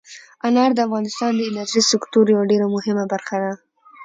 انار د افغانستان د انرژۍ سکتور یوه ډېره مهمه برخه ده.